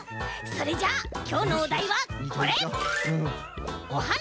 それじゃあきょうのおだいはこれ！